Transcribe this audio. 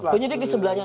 penyidik di sebelahnya